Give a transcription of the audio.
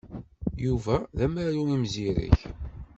Yuba d amaru imzireg.